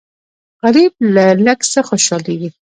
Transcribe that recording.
غریب له لږ څه خوشالېږي